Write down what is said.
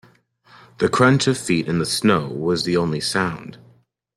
The crunch of feet in the snow was the only sound.